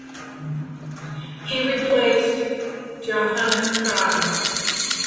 He replaced Johannes Kraan.